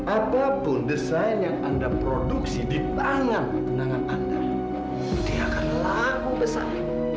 apapun desain yang anda produksi di tangan benangan anda dia akan laku besar